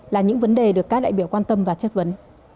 là những vấn đề được các đại biểu quan tâm và chất vấn